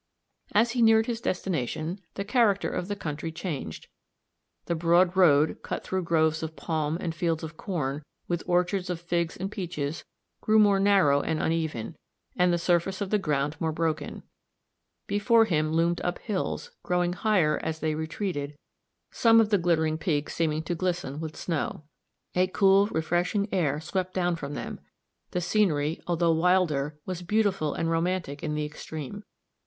As he neared his destination, the character of the country changed. The broad road, cut through groves of palm, and fields of corn, with orchards of figs and peaches, grew more narrow and uneven, and the surface of the ground more broken. Before him loomed up hills, growing higher as they retreated, some of the glittering peaks seeming to glisten with snow. A cool, refreshing air swept down from them; the scenery, although wilder, was beautiful and romantic in the extreme.